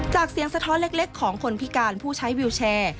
เสียงสะท้อนเล็กของคนพิการผู้ใช้วิวแชร์